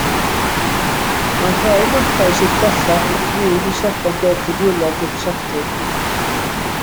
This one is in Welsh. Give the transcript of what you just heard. Mae rhai mathau sydd bellach yn imiwn i sebon golchi dwylo gwrthseptig.